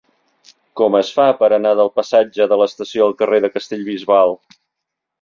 Com es fa per anar del passatge de l'Estació al carrer de Castellbisbal?